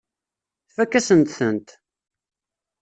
Tfakk-asent-tent.